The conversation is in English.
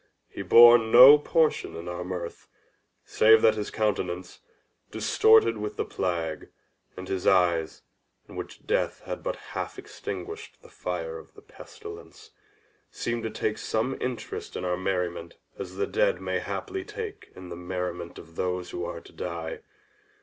he bore no portion in our mirth, save that his countenance, distorted with the plague, and his eyes, in which Death had but half extinguished the fire of the pestilence, seemed to take such interest in our merriment as the dead may haply take in the merriment of those who are to die.